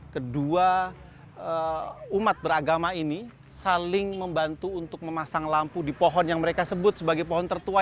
kedua umat beragama ini saling membantu untuk memasang lampu di pohon yang mereka sebut sebagai pohon tertua